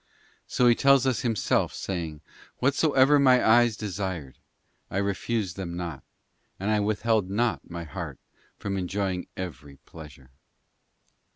So he tells us himself, saying, 'Whatsoever my eyes desired, I refused them not, and I withheld not my heart from enjoying every pleasure.